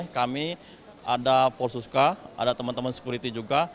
kami ada polsuska ada teman teman sekuriti juga